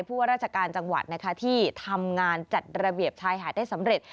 ว่าราชการจังหวัดนะคะที่ทำงานจัดระเบียบชายหาดได้สำเร็จ